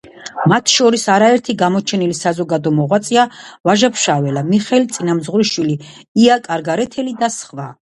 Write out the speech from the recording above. მათ შორის არაერთი გამოჩენილი საზოგადო მოღვაწეა: ვაჟა-ფშაველა, მიხეილ წინამძღვრიშვილი, ია კარგარეთელი და სხვა.